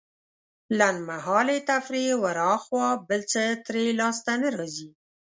لنډمهالې تفريح وراخوا بل څه ترې لاسته نه راځي.